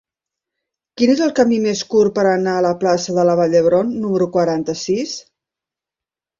Quin és el camí més curt per anar a la plaça de la Vall d'Hebron número quaranta-sis?